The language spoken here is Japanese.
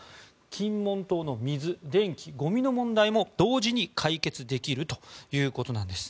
金門島の水、電気、ゴミの問題も同時に解決できるということなんです。